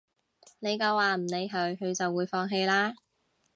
你夠話唔理佢，佢就會放棄啦